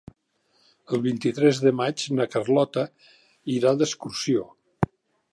El vint-i-tres de maig na Carlota irà d'excursió.